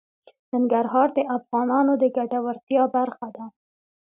ننګرهار د افغانانو د ګټورتیا برخه ده.